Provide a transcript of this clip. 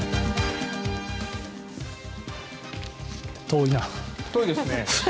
遠いですね。